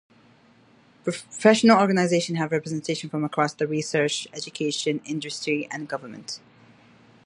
Professional organizations have representation from across the research, education, industry, and government.